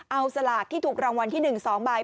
เอาสลากที่ถูกรางวัลที่๑๒ใบ